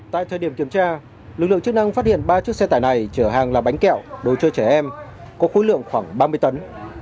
tại thời điểm kiểm tra lực lượng chức năng phát hiện ba chiếc xe tải này chở hàng là bánh kẹo đồ chơi trẻ em có khối lượng khoảng ba mươi tấn